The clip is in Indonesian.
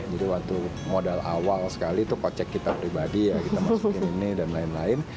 jadi waktu modal awal sekali itu kocek kita pribadi kita masukin ini dan lain lain